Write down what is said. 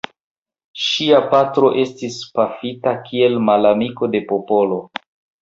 Ŝia patro estis pafita kiel «malamiko de popolo».